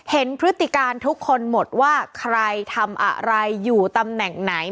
พฤติการทุกคนหมดว่าใครทำอะไรอยู่ตำแหน่งไหน